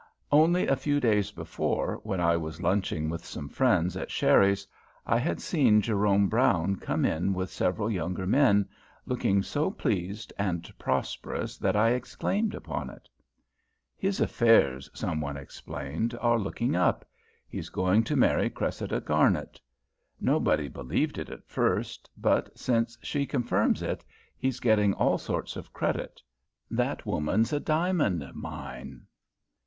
Only a few days before, when I was lunching with some friends at Sherry's, I had seen Jerome Brown come in with several younger men, looking so pleased and prosperous that I exclaimed upon it. "His affairs," some one explained, "are looking up. He's going to marry Cressida Garnet. Nobody believed it at first, but since she confirms it he's getting all sorts of credit. That woman's a diamond mine."